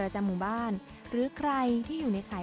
หรือใครที่อยู่ในข่าย